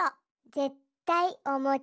ぜったいおもち。